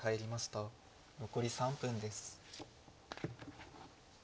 残り３分です。